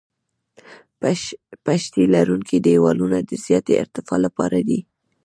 پشتي لرونکي دیوالونه د زیاتې ارتفاع لپاره دي